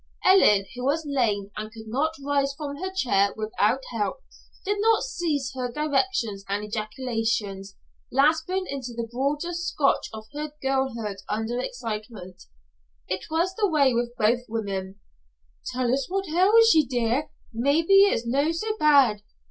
Ellen, who was lame and could not rise from her chair without help, did not cease her directions and ejaculations, lapsing into the broader Scotch of her girlhood under excitement, as was the way with both the women. "Tell us what ails ye, dear; maybe it's no so bad.